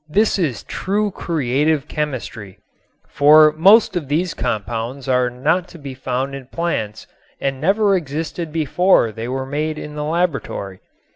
This is true creative chemistry, for most of these compounds are not to be found in plants and never existed before they were made in the laboratory.